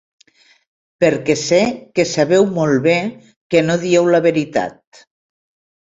Perquè sé que sabeu molt bé que no dieu la veritat.